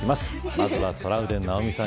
まずはトラウデン直美さん